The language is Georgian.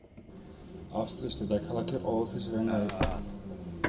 ავსტრიის დედაქალაქი ყოველთვის ვენა იყო.